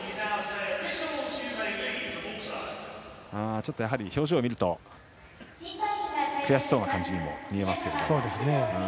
ちょっと表情を見ると悔しそうな感じにも見えますが。